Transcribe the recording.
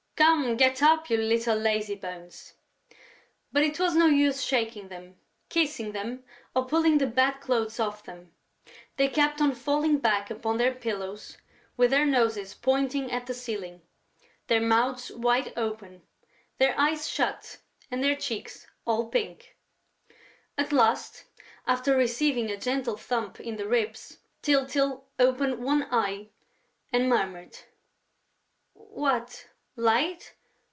"Come, get up, you little lazybones!" But it was no use shaking them, kissing them or pulling the bed clothes off them: they kept on falling back upon their pillows, with their noses pointing at the ceiling, their mouths wide open, their eyes shut and their cheeks all pink. At last, after receiving a gentle thump in the ribs, Tyltyl opened one eye and murmured: "What?... Light?...